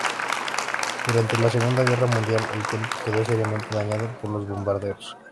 Durante la Segunda Guerra Mundial, el templo quedó seriamente dañado por los bombardeos.